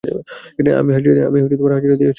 আমি হাজিরা দিয়ে আসছি।